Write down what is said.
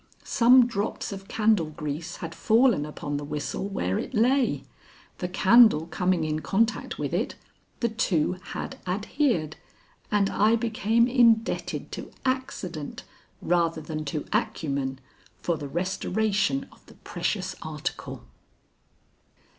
Some drops of candle grease had fallen upon the whistle where it lay. The candle coming in contact with it, the two had adhered, and I became indebted to accident rather than to acumen for the restoration of the precious article.